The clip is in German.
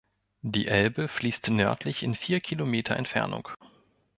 Die Elbe fließt nördlich in vier Kilometer Entfernung.